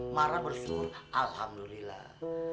marah bersyukur alhamdulillah